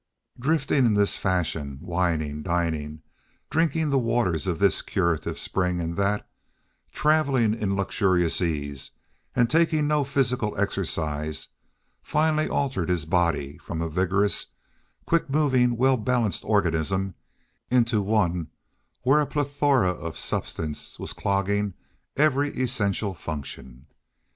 Drifting in this fashion, wining, dining, drinking the waters of this curative spring and that, traveling in luxurious ease and taking no physical exercise, finally altered his body from a vigorous, quick moving, well balanced organism into one where plethora of substance was clogging every essential function.